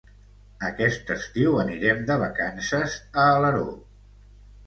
Aquest estiu anirem de vacances a Alaró.